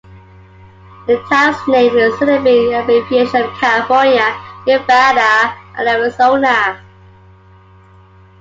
The town's name is a syllabic abbreviation of California, Nevada, and Arizona.